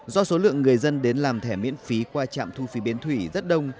do số lượng người dân đến làm thẻ miễn phí qua trạm thu phí bến thủy rất đông